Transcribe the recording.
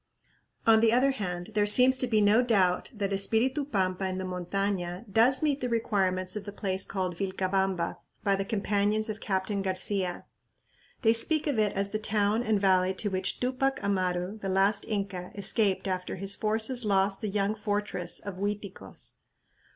On the other hand there seems to be no doubt that Espiritu Pampa in the montaña does meet the requirements of the place called Vilcabamba by the companions of Captain Garcia. They speak of it as the town and valley to which Tupac Amaru, the last Inca, escaped after his forces lost the "young fortress" of Uiticos.